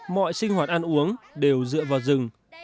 mọi sinh hoạt ăn uống đều dựa vào rừng